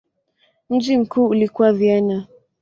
Mji mkuu ulikuwa Vienna.